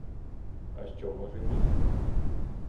А що, може, ні?